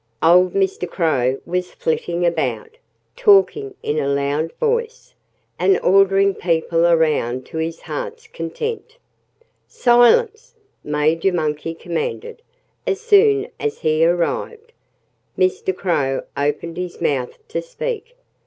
Old Mr. Crow was flitting about, talking in a loud voice, and ordering people around to his heart's content. "Silence!" Major Monkey commanded, as soon as he arrived. Mr. Crow opened his mouth to speak.